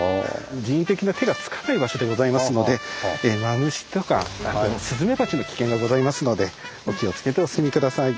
人為的な手がつかない場所でございますのでマムシとかスズメバチの危険がございますのでお気を付けてお進み下さい。